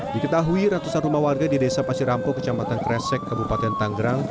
diketahui ratusan rumah warga di desa pasir rampo kecamatan kresek kabupaten tanggerang